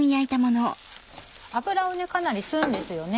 油をかなり吸うんですよね。